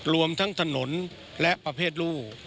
รวมทั้งถนนและประเภทรู่